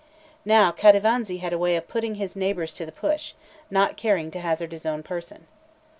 Now Cattivanza had a way of putting his neighbours to the push, not caring to hazard his own person.